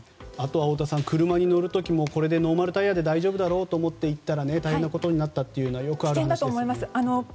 太田さん、車に乗る時もノーマルタイヤで大丈夫だろうと思って行ったら大変なことになったというのはよくある話ですからね。